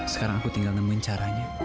sekarang aku tinggal nemenin caranya